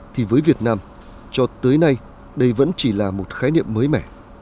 thì với việt nam cho tới nay đây vẫn chỉ là một khái niệm mới mẻ